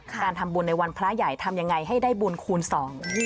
การทำบุญในวันพระใหญ่ทำยังไงให้ได้บุญคูณสอง